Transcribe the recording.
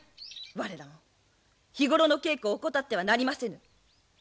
我らも日頃の稽古を怠ってはなりませぬ。